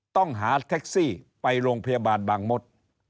ต้องหาแท็กซี่ไปโรงพยาบาลบางมด